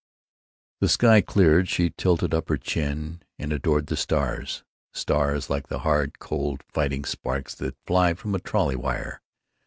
The sky had cleared. She tilted up her chin and adored the stars—stars like the hard, cold, fighting sparks that fly from a trolley wire.